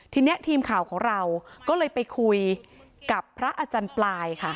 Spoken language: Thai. ทีนี้ทีมข่าวของเราก็เลยไปคุยกับพระอาจารย์ปลายค่ะ